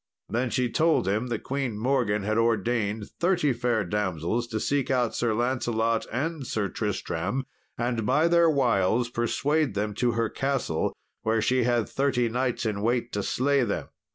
Then she told him that Queen Morgan had ordained thirty fair damsels to seek out Sir Lancelot and Sir Tristram, and by their wiles persuade them to her castle, where she had thirty knights in wait to slay them.